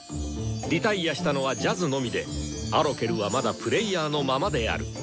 脱落したのは「ジャズのみ」でアロケルはまだプレイヤーのままである。